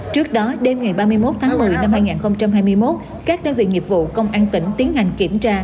trước đó đêm ngày ba mươi một tháng một mươi năm hai nghìn hai mươi một các đơn vị nghiệp vụ công an tỉnh tiến hành kiểm tra